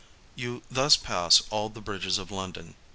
You thus pass all the bridges of London.